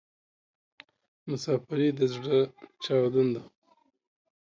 مسافري د ﺯړه چاودون ده